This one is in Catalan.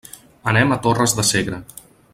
Anem a Torres de Segre.